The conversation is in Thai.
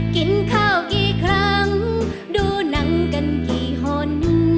กินข้าวกี่ครั้งดูหนังกันกี่คน